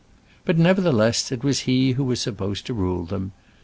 But nevertheless, it was he who was supposed to rule them.